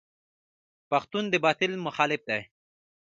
پښتون د باطل مخالف دی.